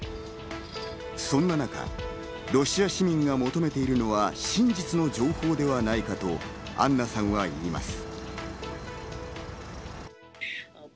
そんな中、ロシア市民が求めているのは真実の情報ではないかとアンナさんは言います。